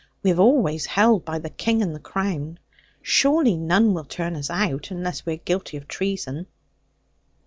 We have always held by the King and crown: surely none will turn us out, unless we are guilty of treason?'